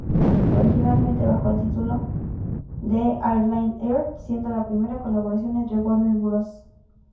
Originalmente bajo el título de "Airline Earth", siendo la primera colaboración entre Warner Bros.